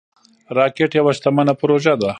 راکټ یوه شتمنه پروژه ده